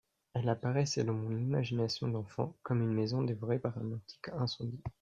Elle apparaissait dans mon imagination d'enfant comme une maison devorée par un antique incendie.